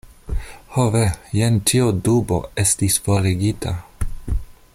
Ho ve, jen ĉiu dubo estis forigita.